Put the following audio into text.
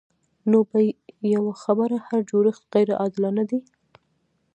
نو په یوه خبره هر جوړښت غیر عادلانه دی.